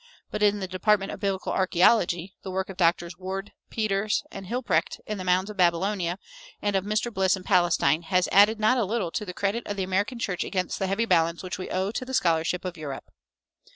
But in the department of biblical archæology the work of Drs. Ward, Peters, and Hilprecht in the mounds of Babylonia, and of Mr. Bliss in Palestine, has added not a little to the credit of the American church against the heavy balance which we owe to the scholarship of Europe.